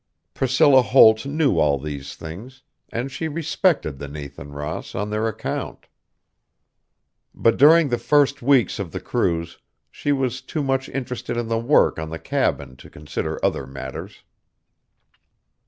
Priscilla Holt knew all these things, and she respected the Nathan Ross on their account. But during the first weeks of the cruise, she was too much interested in the work on the cabin to consider other matters.